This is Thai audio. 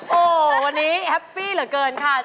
โอ้โหวันนี้แฮปปี้เหลือเกินค่ะ